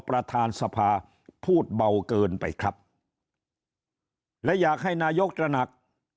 ประธานสภาพูดเบาเกินไปครับและอยากให้นายกตระหนัก